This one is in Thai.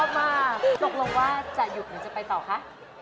มาตกลงว่าจะหยุดหรือจะไปต่อคะ